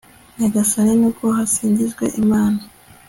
nyagasani, nuko hasingizwe imana